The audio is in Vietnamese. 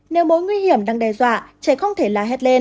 nếu mối nguy hiểm đang đe dọa trẻ không thể la hét lên